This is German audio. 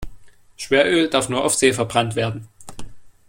Schweröl darf nur auf See verbrannt werden.